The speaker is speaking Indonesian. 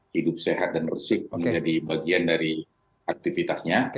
hidup sehat dan bersih menjadi bagian dari aktivitasnya